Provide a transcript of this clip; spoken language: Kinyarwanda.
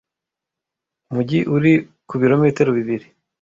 mujyi uri ku bilometero bibiri.